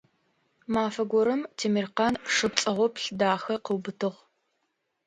Мафэ горэм Темиркъан шы пцӀэгъоплъ дахэ къыубытыгъ.